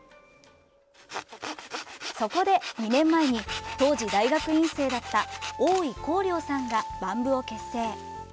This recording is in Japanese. そこで２年前に当時、大学院生だった大井晃亮さんがＢＡＭ部を結成。